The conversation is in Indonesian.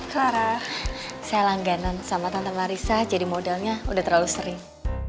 clara saya langganan sama tante marisa jadi modalnya udah terlalu sering